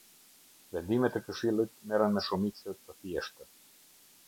Vendimet e Këshillit merren me shumicë të thjeshtë.